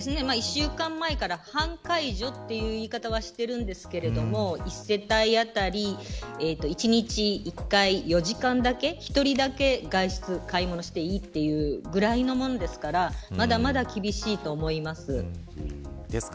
１週間前から半解除という言い方はしているんですが１世帯当たり１日１回４時間だけ１人だけ外出買い物していいというぐらいのものですからまだまだ厳しいと思います。